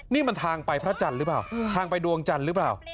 นี่มันทางไปพระจันทร์หรือเปล่าทางไปดวงจันทร์หรือเปล่า